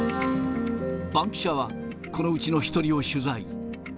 バンキシャは、このうちの１人を取材。